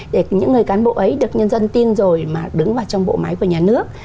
để những người cán bộ ấy được nhân dân tin rồi mà đứng vào trong bộ máy của nhà nước